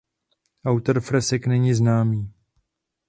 Autor fresek není známý.